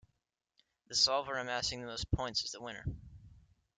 The solver amassing the most points is the winner.